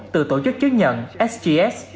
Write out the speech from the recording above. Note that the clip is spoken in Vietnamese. từ tổ chức chứng nhận sgs